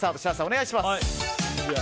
お願いします。